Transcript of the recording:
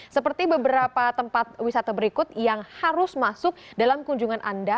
seperti beberapa tempat wisata berikut yang harus masuk dalam kunjungan anda